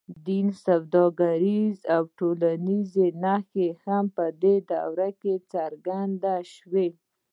دین، سوداګري او ټولنیزې نښې هم په دې دوره کې څرګندې شوې.